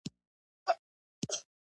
عطرونه د شخصیت انعکاس کوي.